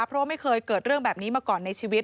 เพราะว่าไม่เคยเกิดเรื่องแบบนี้มาก่อนในชีวิต